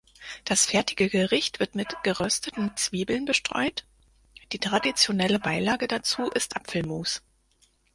Das fertige Gericht wird mit gerösteten Zwiebeln bestreut, die traditionelle Beilage dazu ist Apfelmus.